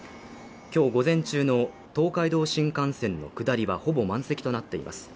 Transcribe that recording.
今日午前中の東海道新幹線の下りはほぼ満席となっています。